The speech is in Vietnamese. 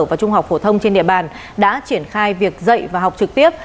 và trung học phổ thông trên địa bàn đã triển khai việc dạy và học trực tiếp